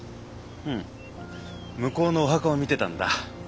うん向こうのお墓を見てたんだ。